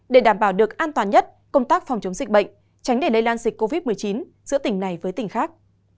để đảm bảo được an toàn nhất công tác phòng chống dịch bệnh tránh để lây lan dịch covid một mươi chín giữa tỉnh này với tỉnh khác